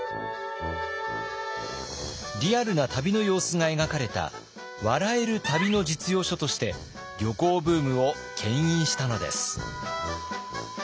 リアルな旅の様子が描かれた笑える旅の実用書として旅行ブームをけん引したのです。